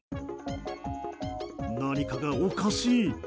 何かがおかしい。